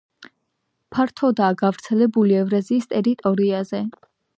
ფართოდაა გავრცელებული ევრაზიის ტერიტორიაზე.